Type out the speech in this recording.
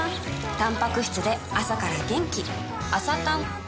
たんぱく質で朝から元気